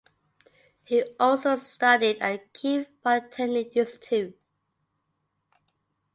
He also studied at the Kiev Polytechnic Institute.